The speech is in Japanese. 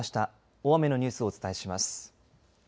大雨のニュースをお伝えします。